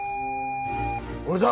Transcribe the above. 俺だ！